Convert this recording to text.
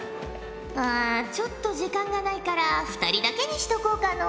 あちょっと時間がないから２人だけにしとこうかのう。